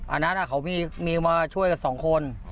อันนั้นเขามีมาช่วยกันสองคน